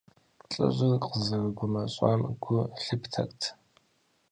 Лӏыжьыр къызэрыгумэщӀам гу лъыптэрт.